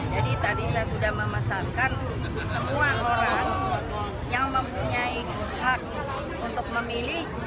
jadi tadi saya sudah memasarkan semua orang yang mempunyai hak untuk memilih